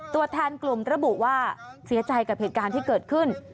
ตัวแทนกลุ่มระบุว่าเสียใจกับเหตุการณ์ที่เกิดขึ้น